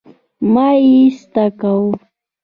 مه يې ايسته کوه